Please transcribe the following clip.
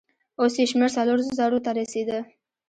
اوس يې شمېر څلورو زرو ته رسېده.